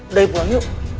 udah pulang yuk